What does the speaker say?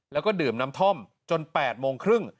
แล้วก็ดื่มน้ำท่อมจน๘โมงครึ่ง